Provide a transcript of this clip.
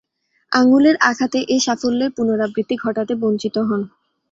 আঙ্গুলের আঘাতে এ সাফল্যের পুণরাবৃত্তি ঘটাতে বঞ্চিত হন।